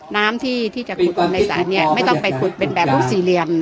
น้ำที่ที่จะขุดคนในศาลเนี้ยไม่ต้องไปขุดเป็นแบบรูปสี่เรียม